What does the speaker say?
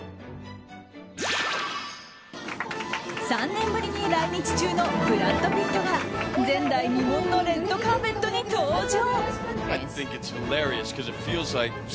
３年ぶりに来日中のブラッド・ピットが前代未聞のレッドカーペットに登場。